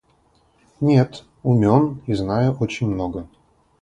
Нет, умён и знаю очень много!